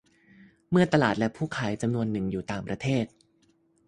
เมื่อตลาดและผู้ขายจำนวนหนึ่งอยู่ต่างประเทศ